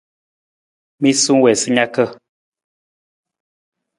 Miisa wii sa naka.